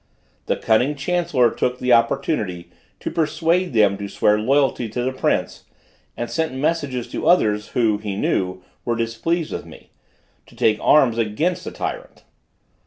The cunning chancellor took the opportunity to persuade them to swear loyalty to the prince, and sent messages to others, who, he knew, were displeased with me, to take arms against the tyrant.